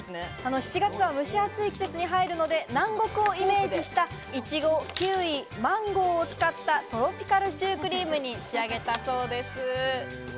７月は蒸し暑い季節に入るので、南国をイメージした、いちご、キウイ、マンゴーを使ったトロピカルシュークリームに仕上げたそうです。